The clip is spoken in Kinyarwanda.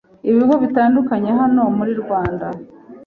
ibigo bitandukanye hano mu rwanda